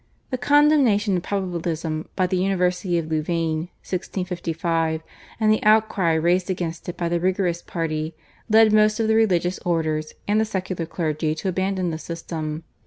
The condemnation of Probabilism by the University of Louvain (1655) and the outcry raised against it by the Rigorist party led most of the religious orders and the secular clergy to abandon the system.